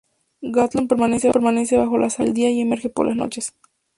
Gotland permanece bajo las aguas durante el día y emerge por las noches.